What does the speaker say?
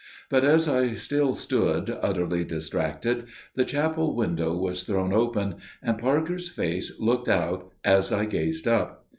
But as I still stood, utterly distracted, the chapel window was thrown open, and Parker's face looked out as I gazed up.